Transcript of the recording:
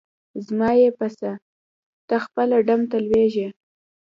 زما یی په څه؟ ته خپله ډم ته لویږي.